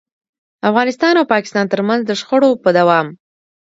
افغانستان او پاکستان ترمنځ د شخړو په دوام.